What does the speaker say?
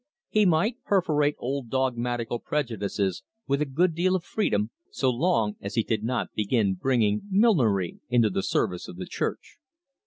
He might perforate old dogmatical prejudices with a good deal of freedom so long as he did not begin bringing "millinery" into the service of the church.